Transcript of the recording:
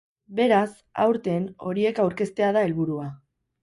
Beraz, aurten horiek aurkeztea da helburua.